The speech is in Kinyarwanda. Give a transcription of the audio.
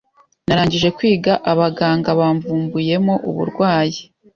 Narangije kwiga abaganga bamvumbuyemo uburwayi